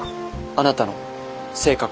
あなたの性格に。